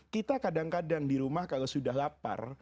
kita kadang kadang di rumah kalau sudah lapar